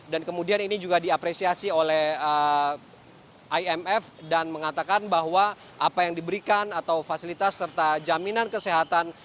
kemudian ini juga diapresiasi oleh imf dan mengatakan bahwa apa yang diberikan atau fasilitas serta jaminan kesehatan